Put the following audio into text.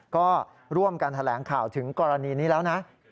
ก็ร่วมกันแถลงข่าวถึงกรณีนี้แล้วนะ